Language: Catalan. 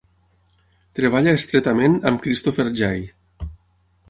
Treballa estretament amb Christopher J.